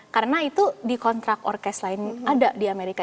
karena itu di kontrak orkest lain ada di amerika